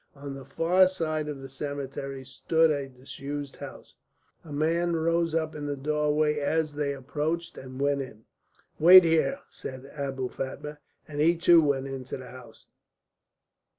On the far side of the cemetery stood a disused house; a man rose up in the doorway as they approached, and went in. "Wait here," said Abou Fatma, and he too went into the house.